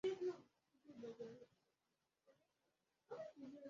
za Kiholanzi na Trinidad na Tobago Venezuela